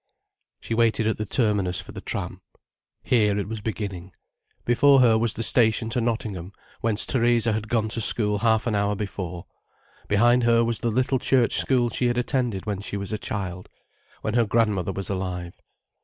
She waited at the terminus for the tram. Here it was beginning. Before her was the station to Nottingham, whence Theresa had gone to school half an hour before; behind her was the little church school she had attended when she was a child, when her grandmother was alive.